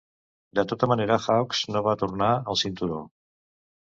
De tota manera, Hawx no va tornar el cinturó.